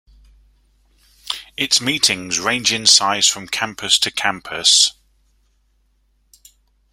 Its meetings range in size from campus to campus.